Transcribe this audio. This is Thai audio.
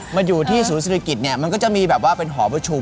มาอยู่ที่สื่อศิริกิษมันก็จะมีแบบว่าเป็นหอพภาคประชุม